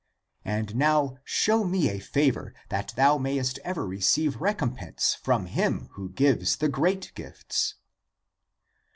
And now show me a favor, that thou may est ever receive recompense from him who gives the great gifts."